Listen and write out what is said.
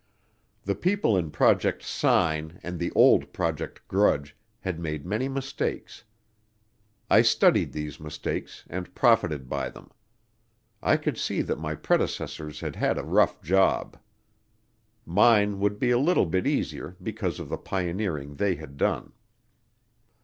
The people in Project Sign and the old Project Grudge had made many mistakes. I studied these mistakes and profited by them. I could see that my predecessors had had a rough job. Mine would be a little bit easier because of the pioneering they had done.